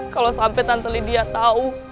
kalo sampe tante lydia tau